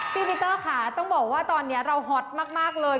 พี่ปีเตอร์ค่ะต้องบอกว่าตอนนี้เราฮอตมากเลย